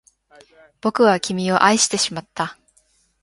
僕は君を愛してしまった